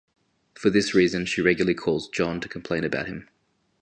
For this reason, she regularly calls Jon to complain about him.